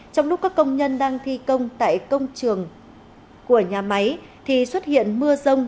trong lúc các công nhân đang thi công tại công trường của nhà máy thì xuất hiện mưa rông